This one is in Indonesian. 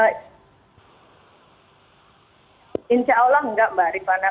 insya allah enggak mbak rifana